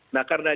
nah karena aja